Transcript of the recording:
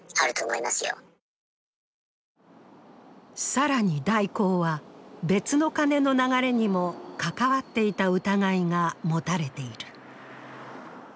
更に大広は、別の金の流れにも関わっていた疑いが持たれている。